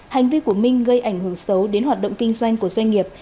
hành vi của minh gây ảnh hưởng xấu đến hoạt động kinh doanh của doanh nghiệp